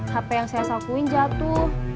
hp yang saya sakuin jatuh